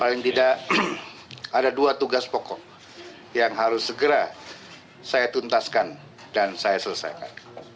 paling tidak ada dua tugas pokok yang harus segera saya tuntaskan dan saya selesaikan